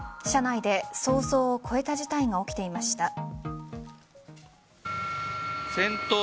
車内で想像を超えた事態が起きていました。